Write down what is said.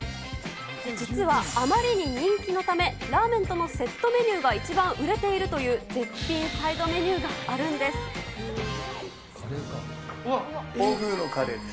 実は、あまりに人気のため、ラーメンとのセットメニューが一番売れているという絶品サイドメ欧風のカレーです。